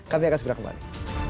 kami akan segera kembali